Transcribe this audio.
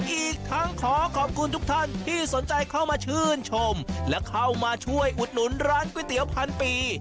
อีกทั้งขอขอบคุณทุกท่านที่สนใจเข้ามาชื่นชมและเข้ามาช่วยอุดหนุนร้านก๋วยเตี๋ยวพันปี